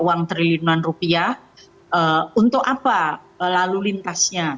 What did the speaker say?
uang triliunan rupiah untuk apa lalu lintasnya